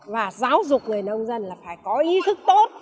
và giáo dục người nông dân là phải có ý thức tốt